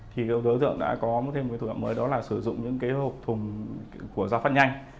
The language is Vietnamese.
thì đối tượng đã có thêm cái thủ đoạn mới đó là sử dụng những cái hộp thùng của ra phát nhanh